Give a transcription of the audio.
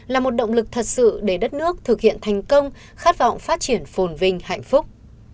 là một động lực thật sự để đất nước thực hiện thành công khát vọng phát triển phồn vinh hạnh phúc